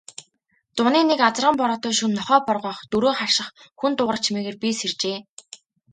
Зуны нэг азарган бороотой шөнө нохой боргоох, дөрөө харших, хүн дуугарах чимээгээр би сэржээ.